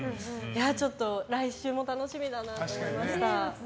ちょっと来週も楽しみだなと思いました。